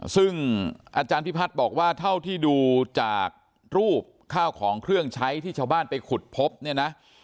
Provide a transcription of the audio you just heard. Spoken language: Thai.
ซึ่งอาจารย์พิพัฒน์บอกว่าเท่าที่ดูจากรูปข้าวของเครื่องใช้ที่ชาวบ้านไปขุดพบเนี่ยนะ